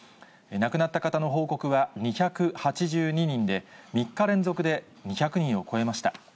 亡くなった方の報告は２８２人で、３日連続で２００人を超えました。